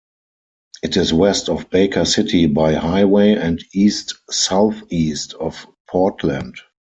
It is west of Baker City by highway and east-southeast of Portland.